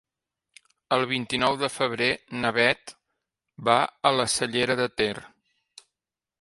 El vint-i-nou de febrer na Beth va a la Cellera de Ter.